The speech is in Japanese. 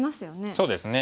そうですね。